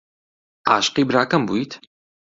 عاشقی براکەم بوویت؟